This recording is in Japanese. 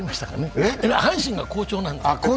阪神が好調なんですよ！